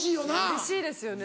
うれしいですよね